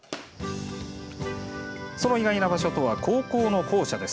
意外な場所とは高校の校舎です。